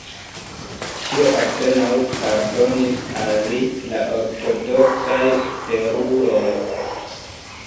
Tion apenaŭ pardonis al li la ortodoksaj superuloj.